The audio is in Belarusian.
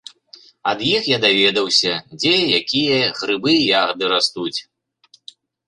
Ад іх я даведаўся, дзе якія грыбы і ягады растуць.